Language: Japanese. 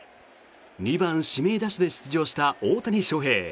２番指名打者で出場した大谷翔平。